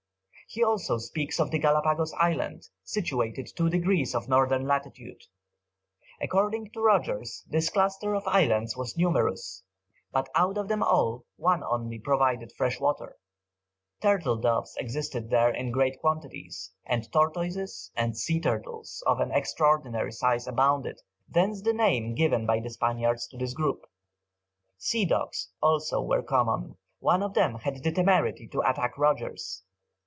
He also speaks of the Galapagos Island, situated two degrees of northern latitude. According to Rogers, this cluster of islands was numerous, but out of them all one only provided fresh water. Turtle doves existed there in great quantities, and tortoises, and sea turtles, of an extraordinary size abounded, thence the name given by the Spaniards to this group. Sea dogs also were common, one of them had the temerity to attack Rogers.